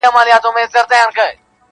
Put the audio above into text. چا خندله چا به ټوکي جوړولې-